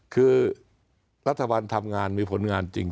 คือรัฐบาลทำงานมีผลงานจริง